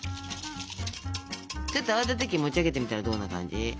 ちょっと泡立て器持ち上げてみたらどんな感じ？